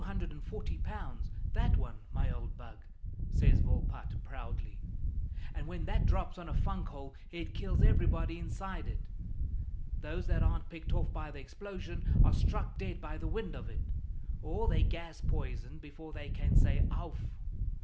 that one, my old bug," says Volpatte proudly, "and when that drops on a funk hole it kills everybody inside it. Those that aren't picked off by the explosion are struck dead by the wind of it, or they're gas poisoned before they can say 'ouf!'"